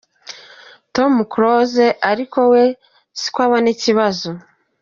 Tom Close ariko we siko abona ikibazo.